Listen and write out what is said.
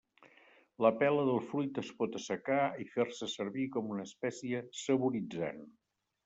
La pela del fruit es pot assecar i fer-se servir com espècia saboritzant.